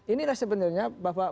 inilah sebenarnya bahwa